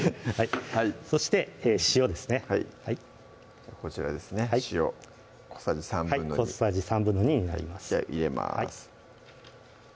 そして塩ですねこちらですね塩小さじ２／３小さじ２／３になりますじゃあ入れます